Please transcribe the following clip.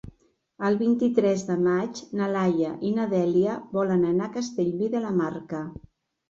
El vint-i-tres de maig na Laia i na Dèlia volen anar a Castellví de la Marca.